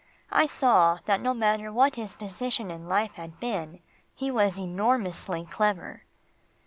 I saw that no matter what his position in life had been, he was enormously clever.